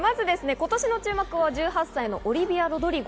今年注目の１８歳のオリヴィア・ロドリゴ。